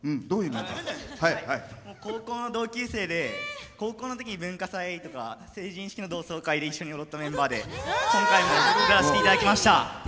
高校の同級生で高校のときに文化祭とか成人式の同窓会で一緒に踊ったメンバーで今回も歌わせていただきました。